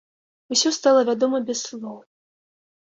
Усё стала вядома без слоў.